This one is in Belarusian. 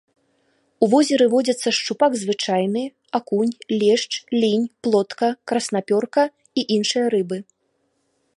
У возеры водзяцца шчупак звычайны, акунь, лешч, лінь, плотка, краснапёрка і іншыя рыбы.